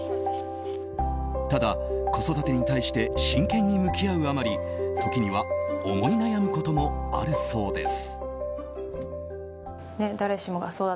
ただ、子育てに対して真剣に向き合うあまり時には思い悩むこともあるそうです。